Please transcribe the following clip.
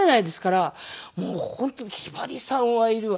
もう本当ひばりさんはいるわ